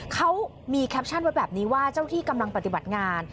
เขามีแคปชั่นไว้แบบนี้ว่าเจ้าที่กำลังปฏิบัติงาน